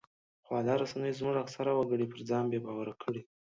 خواله رسنیو زموږ اکثره وګړي پر ځان بې باوره کړي